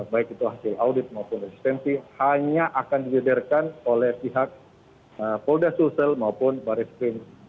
baik itu hasil audit maupun asistensi hanya akan diledarkan oleh pihak folder social maupun baris krim